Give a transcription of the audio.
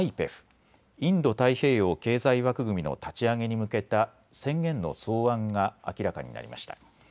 ＩＰＥＦ・インド太平洋経済枠組みの立ち上げに向けた宣言の草案が明らかになりました。